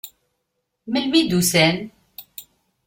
Melmi i d-usan?